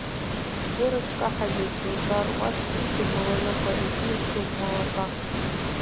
Сгәы рыцәкаҳаӡеит сынтәа, руаӡәк ихьӡуп Маланыҟәа, егьи ихьӡуп Малатәа.